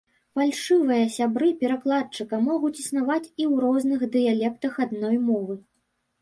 Фальшывыя сябры перакладчыка могуць існаваць і ў розных дыялектах адной мовы.